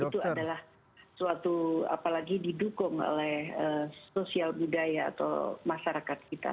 itu adalah suatu apalagi didukung oleh sosial budaya atau masyarakat kita